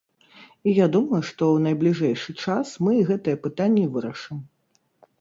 І я думаю, што ў найбліжэйшы час мы гэтыя пытанні вырашым.